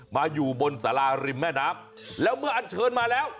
มาอยู่บนสาราริมแม่น้ำแล้วเมื่ออันเชิญมาแล้ว